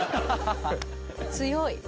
強い！